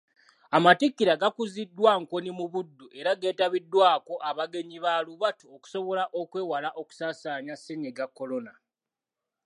Amatikkira gakuziddwa Nkoni mu Buddu era geetabiddwako abagenyi baalubatu okusobola okwewala okusaasaanya Ssennyiga kolona.